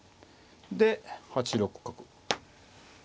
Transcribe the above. で８六角。